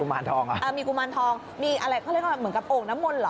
มารทองเหรอเออมีกุมารทองมีอะไรเขาเรียกว่าเหมือนกับโอ่งน้ำมนต์เหรอ